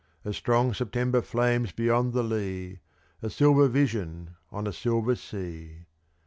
A strong September flames beyond the lea A silver vision on a silver sea.